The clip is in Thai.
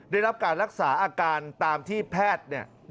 ได้รับการรักษาอาการตามที่แพทย์